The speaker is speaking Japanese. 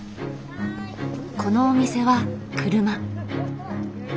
このお店は車。